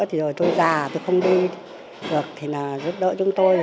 thì rồi tôi già tôi không đi được thì là giúp đỡ chúng tôi